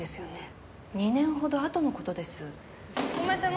２年程あとの事です。